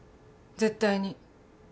絶対に。